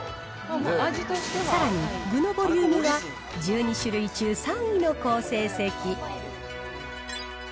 さらに、具のボリュームは１２種類中３位の好成績。